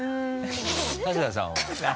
春日さんは？